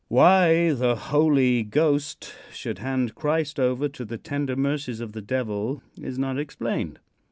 Why the Holy Ghost should hand Christ over to the tender mercies of the Devil is not explained.